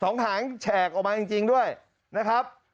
หางแฉกออกมาจริงด้วยนะครับ